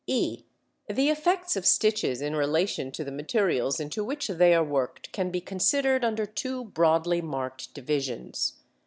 ] (e) The effects of stitches in relation to the materials into which they are worked can be considered under two broadly marked divisions.